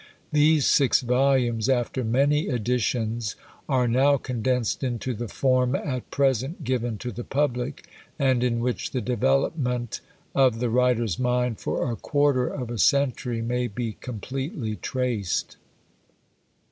These six volumes, after many editions, are now condensed into the form at present given to the public, and in which the development of the writer's mind for a quarter of a century may be completely traced.